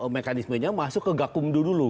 mekanismenya masuk ke gakumdu dulu